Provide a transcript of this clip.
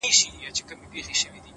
دادی حالاتو سره جنگ کوم لگيا يمه زه!!